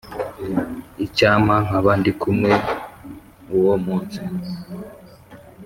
icyampa nkaba ndi kumwe uwo munsi